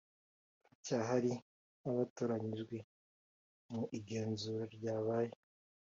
Turacyahari nkabatoranyijwe mu igenzura ryabaye